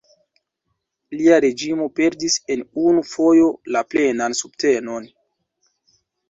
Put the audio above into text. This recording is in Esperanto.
Lia reĝimo perdis en unu fojo la plenan subtenon.